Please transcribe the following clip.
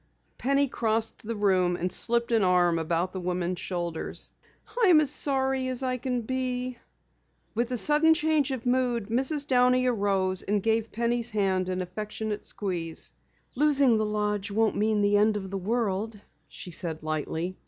Penny crossed the room and slipped an arm about the woman's shoulders. "I'm as sorry as I can be." With a sudden change of mood, Mrs. Downey arose and gave Penny's hand an affectionate squeeze. "Losing the lodge won't mean the end of the world," she said lightly.